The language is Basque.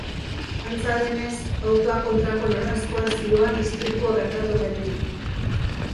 Antza denez, autoa kontrako noranzkoan zihoan istripua gertatu denean.